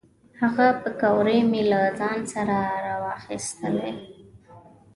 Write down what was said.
هغه پیکورې مې له ځان سره را واخیستلې.